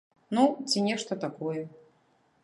Ну, ці нешта такое.